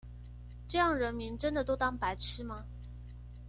這樣人民真的都當白痴嗎？